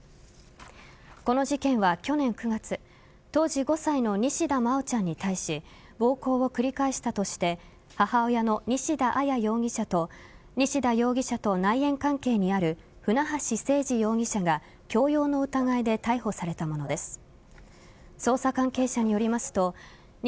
この事件は去年９月当時５歳の西田真愛ちゃんに対し暴行を繰り返したとして母親の西田彩容疑者と西田容疑者と内縁関係にある船橋誠二容疑者が強要の疑いで逮捕されたものです。